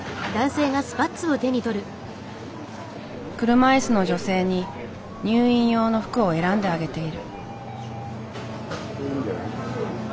車椅子の女性に入院用の服を選んであげている。